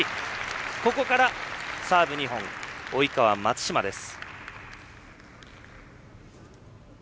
ここからサーブ２本及川、松島です。